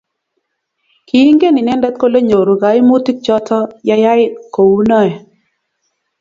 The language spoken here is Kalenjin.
kiingen inendet kole nyoru kaimutik choto ye yai kou noe